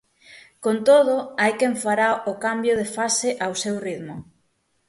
Con todo, hai quen fará o cambio de fase ao seu ritmo.